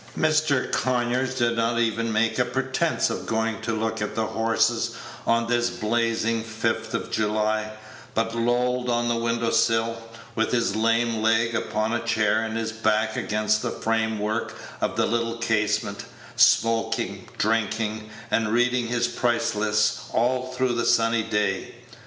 Mr. Conyers did not even make a pretence of going to look at the horses on this blazing 5th of July, but lolled on the window sill, with his lame leg upon a chair, and his back against the frame work of the little casement, smoking, drinking, and reading his price lists all through the sunny day.